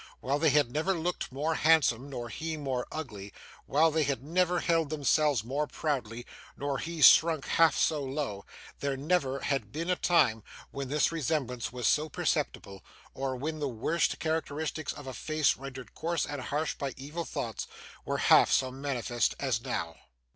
While they had never looked more handsome, nor he more ugly; while they had never held themselves more proudly, nor he shrunk half so low; there never had been a time when this resemblance was so perceptible, or when all the worst characteristics of a face rendered coarse and harsh by evil thoughts were half so manifest as now.